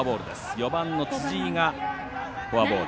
４番の辻井がフォアボール。